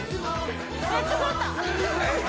めっちゃそろった！